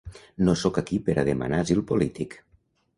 No sóc aquí per a demanar asil polític